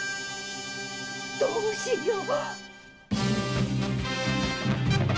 どうしよう！